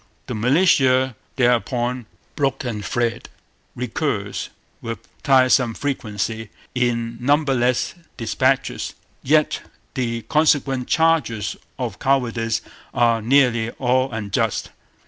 'The militia thereupon broke and fled' recurs with tiresome frequency in numberless dispatches. Yet the consequent charges of cowardice are nearly all unjust.